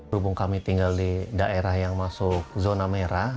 hubung kami tinggal di daerah yang masuk zona merah